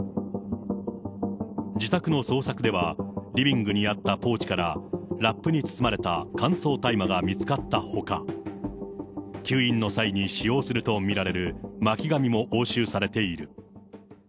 自宅の捜索では、リビングにあったポーチからラップに包まれた乾燥大麻が見つかったほか、吸引の際に使用すると見られる巻紙も押収されている。